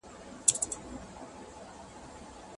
دوی به د غوښتنو د کنټرول لپاره د پخوانيو خلګو تجربې کارولې.